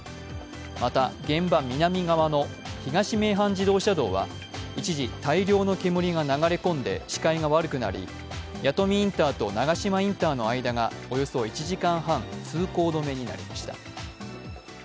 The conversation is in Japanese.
また現場南側の東名阪自動車道は一時大量の煙が流れ込んで視界が悪くなり、弥富インターと長島インターの間がおよそ１時間半、通行止めになりました。